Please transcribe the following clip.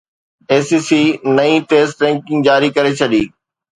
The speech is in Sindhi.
اي سي سي نئين ٽيسٽ رينڪنگ جاري ڪري ڇڏي